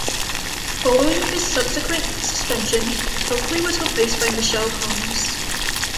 Following his subsequent suspension, Tokley was replaced by Michael Coombs.